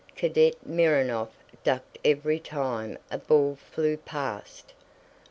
Cadet Mirónov ducked every time a ball flew past.